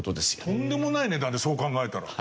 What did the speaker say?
とんでもない値段だそう考えたら。